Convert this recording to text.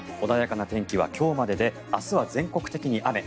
穏やかな天気は今日までで明日は全国的に雨。